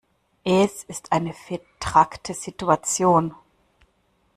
Es ist eine vetrackte Situation.